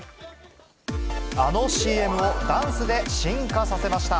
あのＣＭをダンスで進化させました。